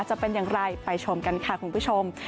จะเป็นอย่างไรไปชมกันค่ะคุณผู้ชม